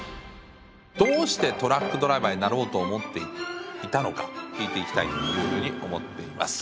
どうしてトラックドライバーになろうと思っていたのか聞いていきたいというふうに思っています。